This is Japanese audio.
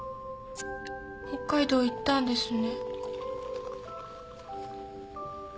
北海道行ったんですね。